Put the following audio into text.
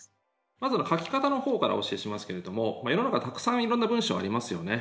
まず書き方の方からお教えしますけれども世の中たくさんいろんな文章ありますよね。